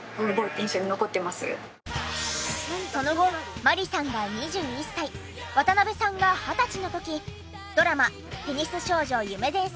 その後万里さんが２１歳渡辺さんが二十歳の時ドラマ『テニス少女夢伝説！